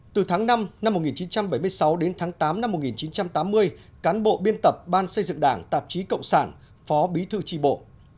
từ tháng năm năm một nghìn chín trăm bảy mươi sáu đến tháng tám năm một nghìn chín trăm tám mươi cán bộ biên tập ban xây dựng đảng tạp chí cộng sản phó bí thư tri bộ